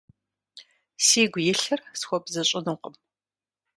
Сигу илъыр схуэбзыщӀынукъым…